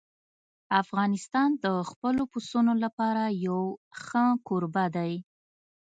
افغانستان د خپلو پسونو لپاره یو ښه کوربه دی.